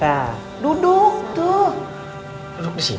iya ada manusia yang punya rasid